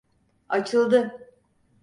Açıldı!